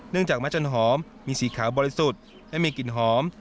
เนื่องจากม้าจันทร์หอมมีสีขาวบริสุทธิ์และมีกลิ่นหอม